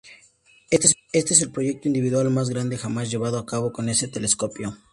Este es el proyecto individual más grande jamás llevado a cabo con ese telescopio.